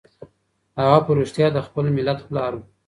هغه په رښتیا د خپل ملت پلار و.